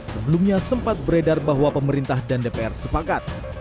sebelumnya sempat beredar bahwa pemerintah dan dpr sepakat